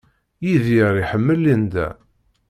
Yidir iḥemmel Linda.